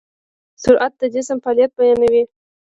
سرعت د جسم فعالیت بیانوي.